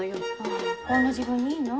あこんな時分にいいの？